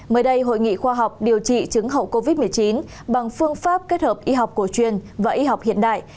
mới đây hội nghị khoa học điều trị chứng hậu covid một mươi chín bằng phương pháp kết hợp y học cổ truyền và y học hiện đại